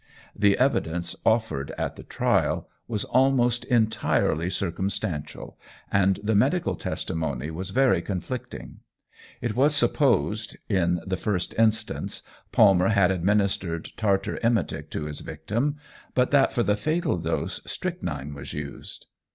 The evidence offered at the trial was almost entirely circumstantial, and the medical testimony was very conflicting. It was supposed, in the first instance, Palmer had administered tartar emetic to his victim, but that for the fatal dose strychnine was used.